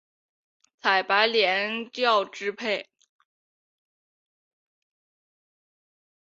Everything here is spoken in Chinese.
采白莲教支派。